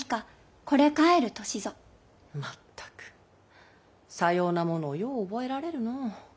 まったくさようなものよう覚えられるの。